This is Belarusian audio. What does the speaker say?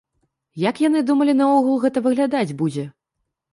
Як яны думалі наогул гэта выглядаць будзе?